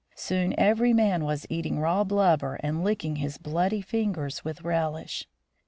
Soon every man was eating raw blubber and licking his bloody fingers with relish.